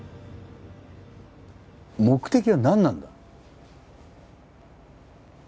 目的は何なんだ？